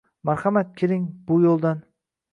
Marhamat, keling, bu yo'ldan.